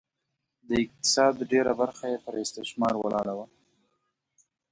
د اقتصاد ډېره برخه یې پر استثمار ولاړه وه